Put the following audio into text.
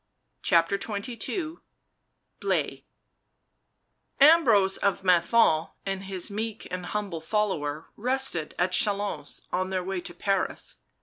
CHAPTER XXII BLAISE Ambrose of Menthon and his meek and humble follower rested at Chalons, on their way to Paris.